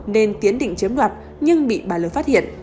nên tiến định chiếm đoạt nhưng bị bà lực phát hiện